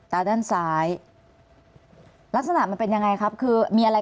ตรงตาเนี่ย